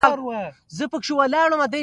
چې مطبوعاتي کنفرانس جوړ کي.